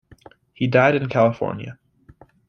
He died in California.